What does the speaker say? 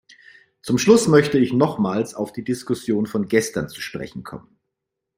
Zum Schluss möchte ich nochmals auf die Diskussion von gestern zu sprechen kommen.